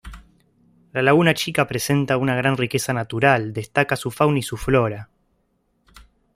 La Laguna Chica presenta una gran riqueza natural, destaca su fauna y su flora.